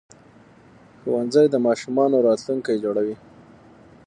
ښوونځي د ماشومانو راتلونکي جوړوي